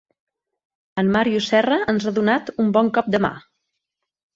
En Màrius Serra ens ha donat un bon cop de mà.